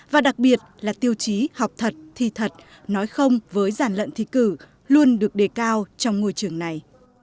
và đặc biệt là tiêu chí học thật thi thật nói không với giản lận thi cử luôn được đề cao trong ngôi trường này